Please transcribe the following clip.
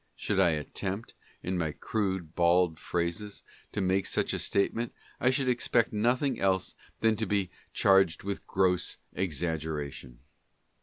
Should I attempt, in my crude, bald phrases, to make such a statement, I should expect nothing else than to be charged with gross exaggeration.